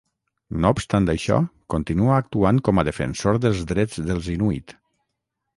No obstant això, continua actuant com a defensor dels drets dels inuit.